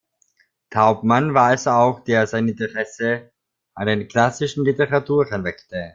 Taubmann war es auch, der sein Interesse an den klassischen Literaturen weckte.